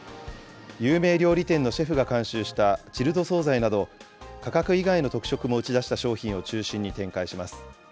有名料理店のシェフが監修したチルド総菜など、価格以外の特色も打ち出した商品を中心に展開します。